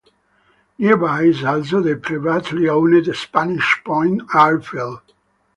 Nearby is also the privately owned Spanish Point Airfield.